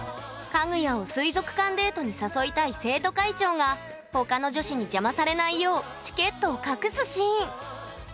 かぐやを水族館デートに誘いたい生徒会長が他の女子に邪魔されないようチケットを隠すシーン。